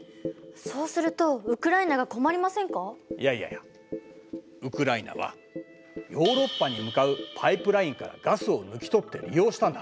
そうするといやいやいやウクライナはヨーロッパに向かうパイプラインからガスを抜き取って利用したんだ。